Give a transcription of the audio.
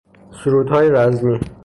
سرودهای رزمی